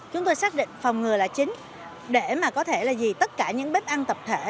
chúng tôi xác định phòng ngừa là chính để có thể vì tất cả những bếp ăn tập thể